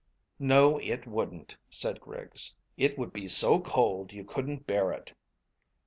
"No it wouldn't," said Griggs. "It would be so cold you couldn't bear it."